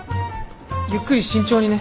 ゆっくり慎重にね。